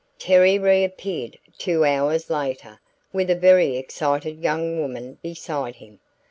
Terry reappeared, two hours later, with a very excited young woman beside him.